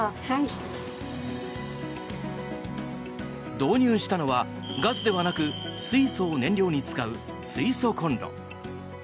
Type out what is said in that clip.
導入したのは、ガスではなく水素を燃料に使う水素コンロ。